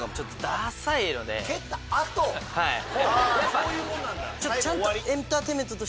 そういうもんなんだ。